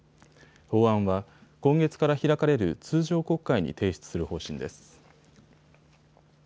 法案は今月から開かれる通常国会に提出する方針です。